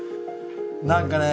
何かね